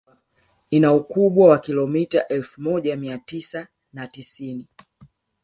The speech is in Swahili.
udzungwa ina ukubwa wa kilomita elfu moja mia tisa na tisini